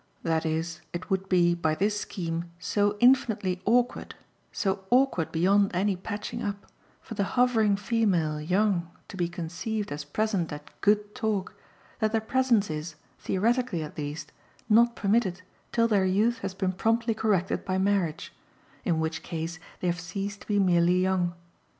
That is it would be, by this scheme, so infinitely awkward, so awkward beyond any patching up, for the hovering female young to be conceived as present at "good" talk, that their presence is, theoretically at least, not permitted till their youth has been promptly corrected by marriage in which case they have ceased to be merely young.